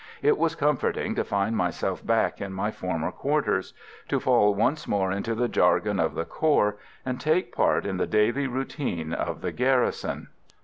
It was comforting to find myself back in my former quarters, to fall once more into the jargon of the corps and take part in the daily routine of the garrison.